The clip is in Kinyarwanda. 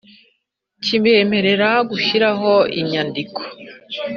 Kibemerera gushyiraho inyandiko